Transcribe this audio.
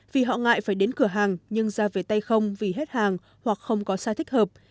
vì họ ngại phải đến cửa hàng nhưng ra về tay không vì hết hàng hoặc không có sai thích hợp